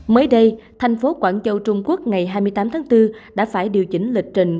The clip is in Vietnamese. mới đây thành phố quảng châu trung quốc ngày hai mươi tám tháng bốn đã phải điều chỉnh lịch trình